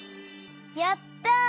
やった！